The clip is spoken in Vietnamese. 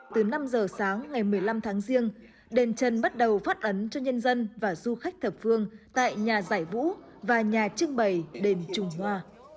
từ năm giờ sáng ngày một mươi năm tháng riêng đền trần bắt đầu phát ấn cho nhân dân và du khách thập phương tại nhà giải vũ và nhà trưng bày đền trùng hoa